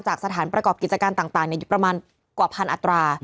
สถานประกอบกิจการต่างอยู่ประมาณกว่าพันอัตรา